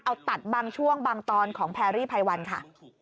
เอาตัดบางช่วงบางตอนของแพรรี่ไพวันค่ะ